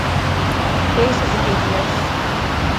Bass is an atheist.